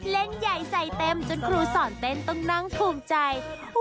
เล่นใหญ่ใส่เต็มจนครูสอนเต้นต้องนั่งภูมิใจ